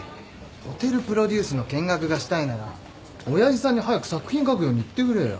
ホテルプロデュースの見学がしたいなら親父さんに早く作品書くように言ってくれよ。